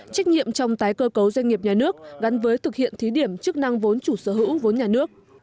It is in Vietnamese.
trách nhiệm trong tái cơ cấu doanh nghiệp nhà nước gắn với thực hiện thí điểm chức năng vốn chủ sở hữu vốn nhà nước